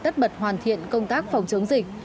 tất bật hoàn thiện công tác phòng chống dịch